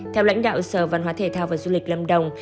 theo lãnh đạo sở văn hóa thể thao và du lịch lâm đồng